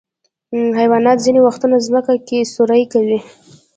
حیوانات ځینې وختونه ځمکه کې سوری کوي.